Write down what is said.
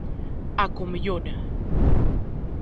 A Comellona.